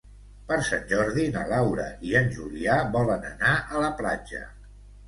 Per Sant Jordi na Laura i en Julià volen anar a la platja.